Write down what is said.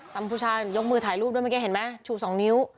ผู้ชายยกมือถ่ายรูปด้วยเมื่อกี้เห็นไหมชู๒นิ้ว